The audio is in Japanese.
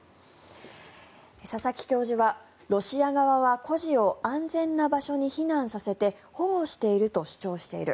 佐々木教授は、ロシア側は孤児を安全な場所に避難させて保護していると主張している。